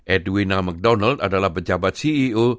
edwina mcdonald adalah pejabat ceo